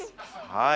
はい。